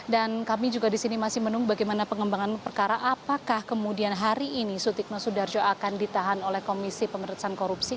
dan kami juga di sini masih menunggu bagaimana pengembangan perkara apakah kemudian hari ini sutikno sudarjong akan ditahan oleh komisi pemeriksaan korupsi